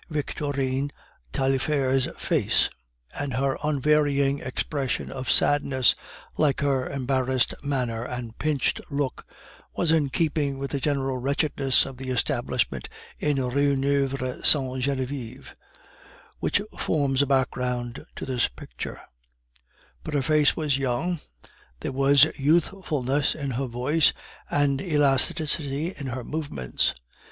Victorine Taillefer's face; and her unvarying expression of sadness, like her embarrassed manner and pinched look, was in keeping with the general wretchedness of the establishment in the Rue Nueve Saint Genevieve, which forms a background to this picture; but her face was young, there was youthfulness in her voice and elasticity in her movements.